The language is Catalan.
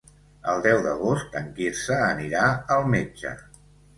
El deu d'agost en Quirze anirà al metge.